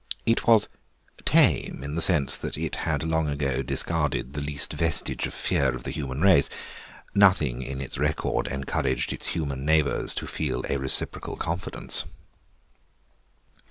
It was "tame" in the sense that it had long ago discarded the least vestige of fear of the human race; nothing in its record encouraged its human neighbours to feel a reciprocal confidence.